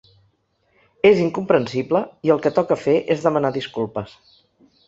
És incomprensible, i el que toca fer és demanar disculpes.